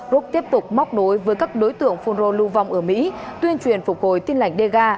rốt tiếp tục móc đối với các đối tượng phun rô lưu vong ở mỹ tuyên truyền phục hồi tin lãnh dega